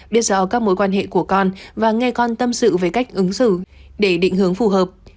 biết rõ các mối quan hệ của con và nghe con tâm sự về cách ứng xử để định hướng phù hợp